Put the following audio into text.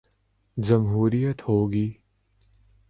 جمہوریت ہو گی۔